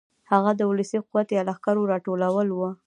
هغه د ولسي قوت یا لښکرو راټولول و.